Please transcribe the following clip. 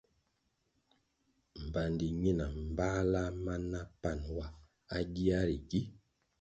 Mbpandi ñina mbáhla ma na pan wa à gia ri gi.